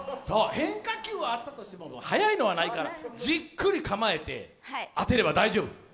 変化球はあったとしても速いのはないから、じっくり構えて当てれば大丈夫。